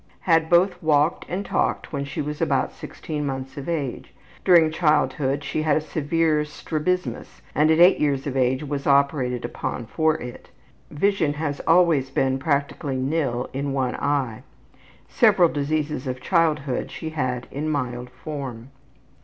Had both walked and talked when she was about 16 months of age. During childhood she had a severe strabismus and at 8 years of age was operated upon for it. Vision has always been practically nil in one eye. Several diseases of childhood she had in mild form.